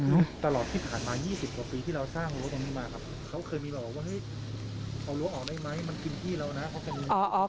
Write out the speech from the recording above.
ต้องออกได้ไหมมันกินที่เรานะ